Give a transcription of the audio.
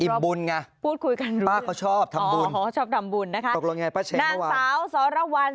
อิ่มบุญไงป้าเขาชอบทำบุญตกลงไงป้าเช็งเมื่อวานนางสาวสรวรรค์วัน